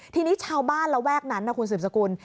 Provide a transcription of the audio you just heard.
ทีนี้ชาวบ้านระแวกนั้นนะคุณสืบสกุล